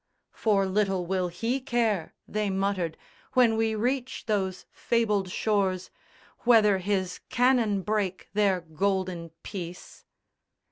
"For little will he care," They muttered, "when we reach those fabled shores, Whether his cannon break their golden peace."